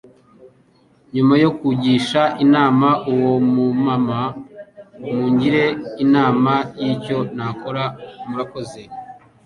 nyuma yo kugisha inama uwo mu mama mungire inama y'icyo nakora murakoze.